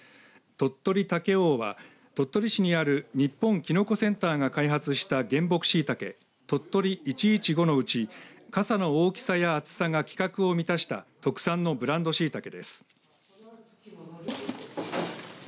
鳥取茸王は鳥取市にある日本きのこセンターが開発した原木しいたけとっとり１１５のうち傘の大きさや厚さが規格を満たした特産のブランドしいたけです。